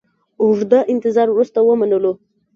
اوږده انتظار وروسته ومنلو.